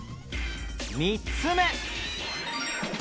３つ目